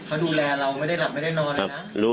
เขาดูแลเราไม่ได้หลับไม่ได้นอนเลยนะ